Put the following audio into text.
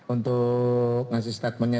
untuk ngasih statement nya